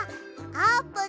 あーぷん！